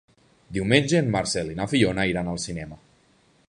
Diumenge en Marcel i na Fiona iran al cinema.